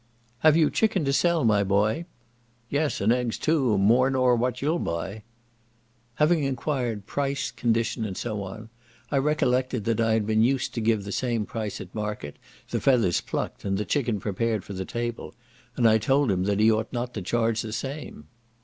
"Have you chicken to sell, my boy?" "Yes, and eggs too, more nor what you'll buy." Having enquired price, condition, and so on, I recollected that I had been used to give the same price at market, the feathers plucked, and the chicken prepared for the table, and I told him that he ought not to charge the same.